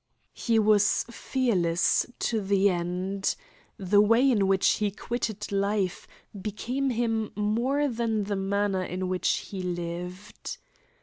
He was fearless to the end. The way in which he quitted life became him more than the manner in which he lived.